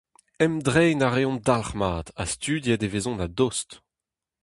Emdreiñ a reont dalc'hmat ha studiet e vezont a-dost.